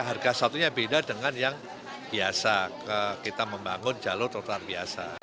harga satunya beda dengan yang biasa kita membangun jalur trotoar biasa